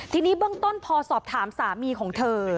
ทีนี้เบื้องต้นพอสอบถามสามีของเธอ